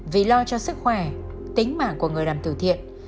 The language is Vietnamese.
vì lo cho sức khỏe tính mạng của người làm từ thiện